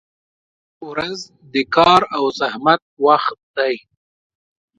• ورځ د کار او زحمت وخت دی.